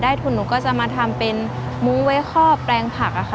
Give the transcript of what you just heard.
ได้ทุนหนูก็จะมาทำเป็นมู้ไว้คอบแปลงผัก